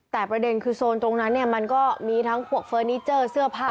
แต่ประเด็นคือโซนตรงนั้นเนี่ยมันก็มีทั้งพวกเฟอร์นิเจอร์เสื้อผ้า